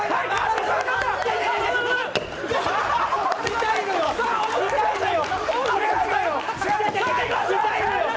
痛いのよ。